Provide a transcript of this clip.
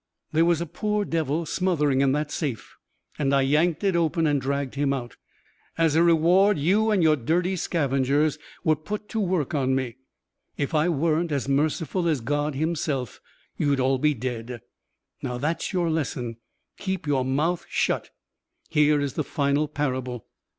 There was a poor devil smothering in that safe and I yanked it open and dragged him out. As a reward you and your dirty scavengers were put to work on me. If I weren't as merciful as God Himself, you'd all be dead. Now, that's your lesson. Keep your mouth shut. Here is the final parable."